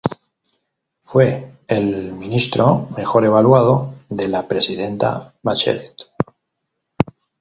Fue el ministro mejor evaluado de la presidenta Bachelet.